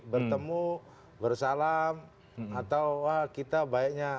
bertemu bersalam atau wah kita baiknya